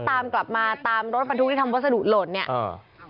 ตามกลับมาตามรถบรรทุกที่ทำวัสดุหล่นเนี่ยอ่า